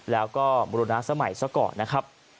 แล้วก็บุรณาสมัยซะก่อนนะครับ